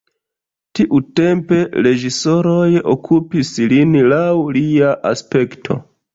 Tiutempe reĝisoroj okupis lin laŭ lia aspekto.